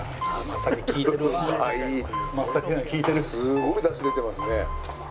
すごい出汁出てますね。